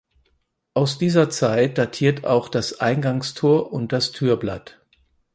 Aus dieser Zeit datiert auch das Eingangstor und das Türblatt.